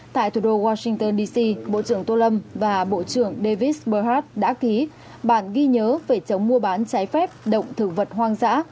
tại thủ đô washington dc bộ trưởng tô lâm và bộ trưởng davis burhat đã ký bản ghi nhớ về chống mua bán trái phép động thực vật hoang dã